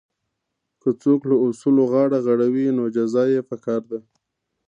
که څوک له اصولو غاړه غړوي نو جزا یې پکار ده.